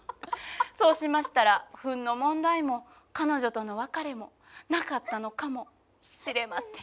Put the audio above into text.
そうしましたらフンの問題も彼女との別れもなかったのかもしれません。